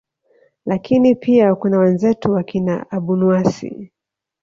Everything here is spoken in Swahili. lakini pia kuna wenzetu wakina abunuasi